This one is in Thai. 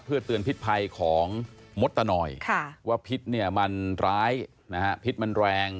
เพื่อเตือนพิษภัยของมทนว่าพิษมันร้ายพิษมันแรง